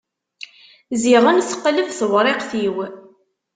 Ziɣen teqleb tewriqt-iw.